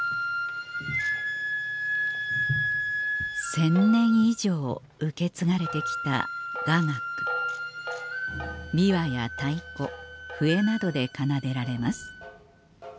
千年以上受け継がれて来た雅楽琵琶や太鼓笛などで奏でられます